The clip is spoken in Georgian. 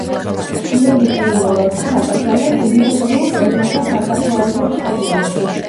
ნელი ტეილო როსი დაკრძალეს ლეიკვიუს ოჯახურ სასაფლაოზე შაიენში.